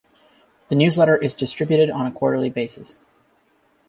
The newsletter is distributed on a quarterly basis.